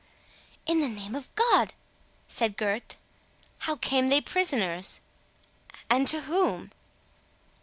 "In the name of God!" said Gurth, "how came they prisoners?—and to whom?"